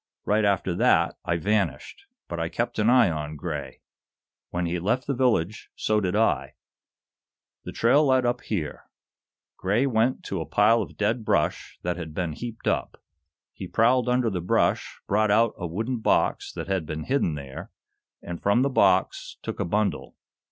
Right after that, I vanished. But I kept an eye on Gray. When he left the village, so did I. The trail led up here. Gray went to a pile of dead brush that had been heaped up. He prowled under the brush, brought out a wooden box that had been hidden there, and, from the box, took a bundle.